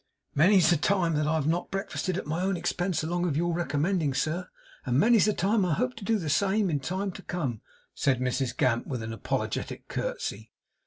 'Many's the time that I've not breakfasted at my own expense along of your recommending, sir; and many's the time I hope to do the same in time to come,' said Mrs Gamp, with an apologetic curtsey.